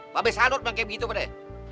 mbak be sadut pake begitu pada